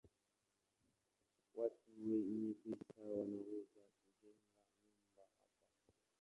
Watu wenye pesa wameanza kujenga nyumba hapa pia.